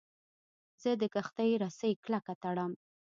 زه د کښتۍ رسۍ کلکه تړم.